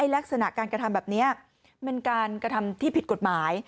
ลักษณะการกระทำแบบนี้เป็นการกระทำที่ผิดกฎหมาย